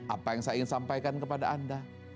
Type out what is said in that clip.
apa yang saya ingin sampaikan kepada anda